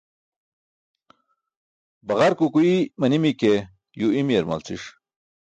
Baġark ukuiy manimi ke yuw imiyar malciṣ.